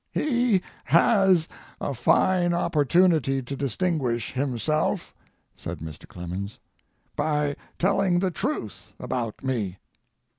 ] He has a fine opportunity to distinguish himself [said Mr. Clemens] by telling the truth about me.